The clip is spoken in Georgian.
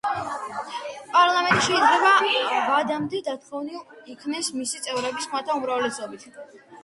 პარლამენტი შეიძლება ვადამდე დათხოვნილ იქნეს მისი წევრების ხმათა უმრავლესობით.